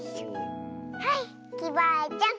はいきバアちゃん。